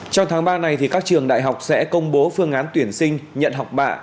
trong tháng ba này các trường đại học sẽ công bố phương án tuyển sinh nhận học bạ